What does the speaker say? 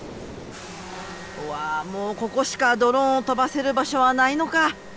うわもうここしかドローンを飛ばせる場所はないのか。